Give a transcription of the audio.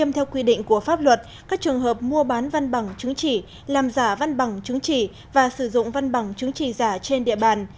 theo quy định của pháp luật các trường hợp mua bán văn bằng chứng chỉ làm giả văn bằng chứng chỉ và sử dụng văn bằng chứng chỉ giả trên địa bàn